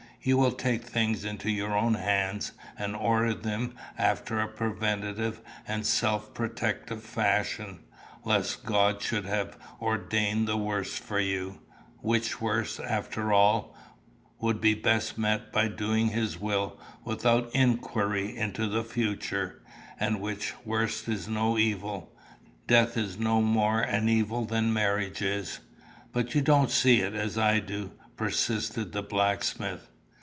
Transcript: You will take things into your own hands, and order them after a preventive and self protective fashion, lest God should have ordained the worst for you, which worst, after all, would be best met by doing his will without inquiry into the future; and which worst is no evil. Death is no more an evil than marriage is." "But you don't see it as I do," persisted the blacksmith.